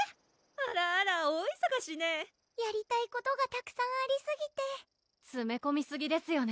あらあら大いそがしねやりたいことがたくさんありすぎてつめこみすぎですよね